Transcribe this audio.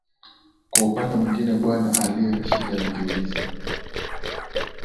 Kwa upande mwingine Bwana Ali Rashid alijiuliza.